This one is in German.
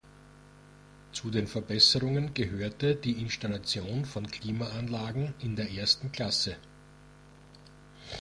Zu den Verbesserungen gehörte die Installation von Klimaanlagen in der ersten Klasse.